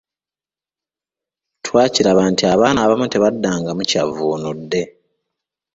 Twakiraba nti abaana abamu tebaddangamu kyavvuunudde.